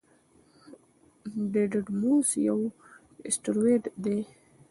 ډیډیموس یو اسټروېډ دی.